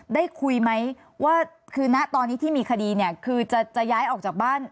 ได้คุยไหมว่าคือณตอนนี้ที่มีคดีเนี่ยคือจะย้ายออกจากบ้าน